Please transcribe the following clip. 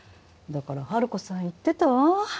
だから治子さん言ってたわ。